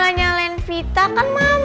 pokoknya malah volernya vita kan misinformation